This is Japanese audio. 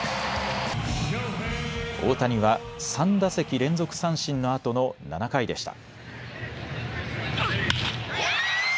大谷は３打席連続三振のあとの７回でした。